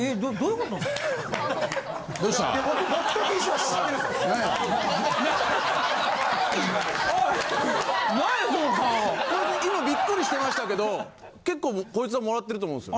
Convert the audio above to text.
こいつ今びっくりしてましたけど結構こいつはもらってると思うんですよ。